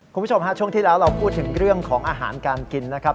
คุณผู้ชมฮะช่วงที่แล้วเราพูดถึงเรื่องของอาหารการกินนะครับ